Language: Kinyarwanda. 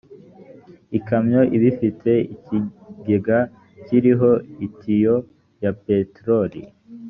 ikamyo ibifite ikigega kiriho itiyo yapeteroli.